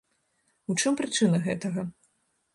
У чым прычына гэтага?